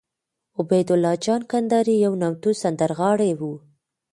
عبیدالله جان کندهاری یو نامتو سندرغاړی وو